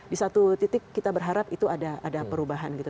di satu titik kita berharap itu ada perubahan gitu